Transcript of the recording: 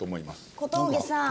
小峠さん